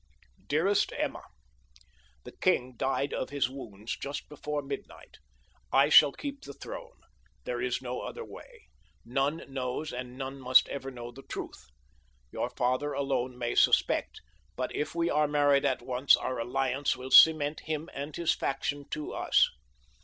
DEAREST EMMA: The king died of his wounds just before midnight. I shall keep the throne. There is no other way. None knows and none must ever know the truth. Your father alone may suspect; but if we are married at once our alliance will cement him and his faction to us.